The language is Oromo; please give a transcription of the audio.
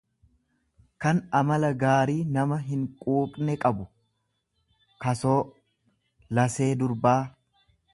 kan amala gaarii nama hinquuqne qabu, kasoo; Lasee durbaa.